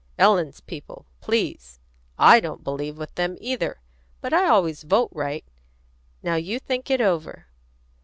"Ellen's people, please. I don't believe with them either. But I always vote right. Now you think it over."